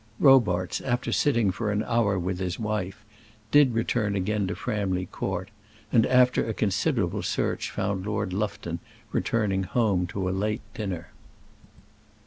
Robarts, after sitting for an hour with his wife, did return again to Framley Court; and, after a considerable search, found Lord Lufton returning home to a late dinner.